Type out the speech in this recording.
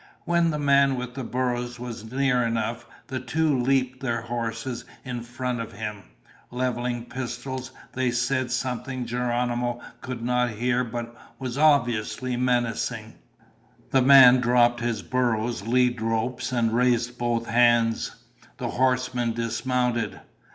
When the man with the burros was near enough, the two leaped their horses in front of him. Leveling pistols, they said something Geronimo could not hear but was obviously menacing. The man dropped his burros' lead ropes and raised both hands. The horsemen dismounted.